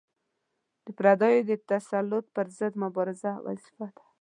د پردیو د تسلط پر ضد مبارزه وظیفه ده.